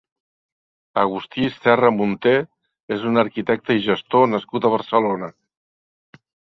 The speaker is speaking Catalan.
Agustí Serra Monté és un arquitecte i gestor nascut a Barcelona.